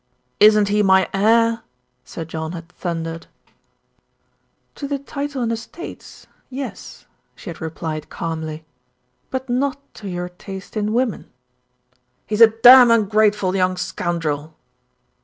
"Isn't he my heir?" Sir John had thundered. 16 THE RETURN OF ALFRED "To the title and estates, yes," she had replied calmly; "but not to your taste in women." "He's a damned ungrateful young scoundrel!"